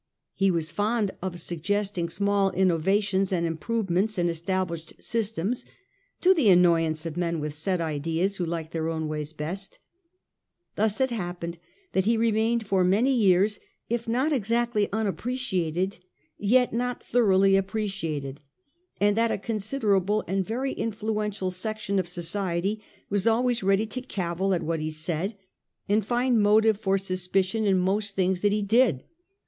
He was fond of suggesting small innovations and im provements in established systems, to the annoyance of men with set ideas, who liked their own ways best. Thus it happened that he remained for many years, if not exactly unappreciated, yet not thoroughly appre ciated, and that a considerable and very influential section of society was always ready to cavil at what he said, and find motive for suspicion in most things 1840. TIIE DUELLING SYSTEM. 155 that he did.